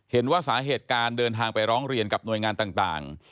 เห็นว่าสาเหตุการเดินทางไปร้องเรียนกับหน่วยงานต่าง